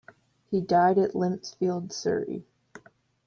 He died at Limpsfield, Surrey.